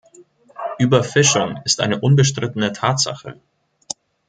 Überfischung ist eine unbestrittene Tatsache.